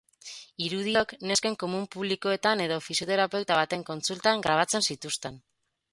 Irudiok nesken komun publikoetan edo fisioterapeuta baten kontsultan grabatzen zituzten.